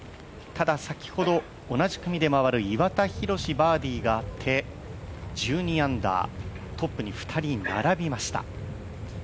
ただ先ほど同じ組で回る岩田寛がバーディーで１２アンダー、トップに２人並びました。